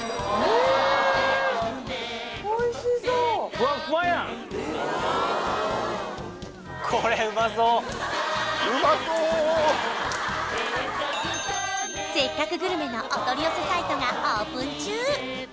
おいしそうフワフワやん「せっかくグルメ！！」のお取り寄せサイトがオープン中